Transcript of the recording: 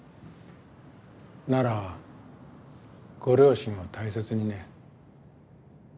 ならご両親を大切にね。